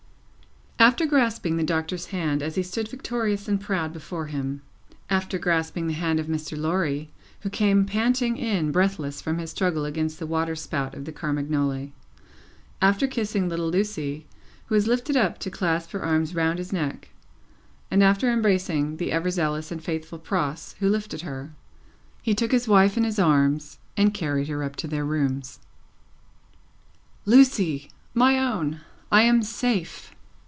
After grasping the Doctor's hand, as he stood victorious and proud before him; after grasping the hand of Mr. Lorry, who came panting in breathless from his struggle against the waterspout of the Carmagnole; after kissing little Lucie, who was lifted up to clasp her arms round his neck; and after embracing the ever zealous and faithful Pross who lifted her; he took his wife in his arms, and carried her up to their rooms. "Lucie! My own! I am safe."